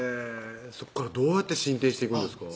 そこからどうやって進展していくんですか？